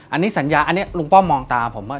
อันนี้สัญญาอันนี้ลุงป้อมมองตาผมว่า